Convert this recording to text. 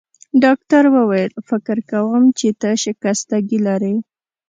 ډاکټر وویل: فکر کوم چي ته شکستګي لرې.